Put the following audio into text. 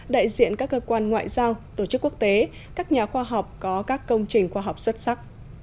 đại diện các cơ quan ngoại giao tổ chức quốc tế các nhà khoa học có các công trình khoa học xuất sắc